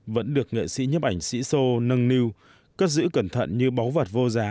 vẫn được nghệ sĩ nhấp ảnh sĩ sô nâng niu cất giữ cẩn thận như báu vật vô giá